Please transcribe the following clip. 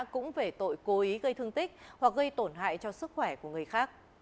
cũng về tội cố ý gây thương tích hoặc gây tổn hại cho sức khỏe của người khác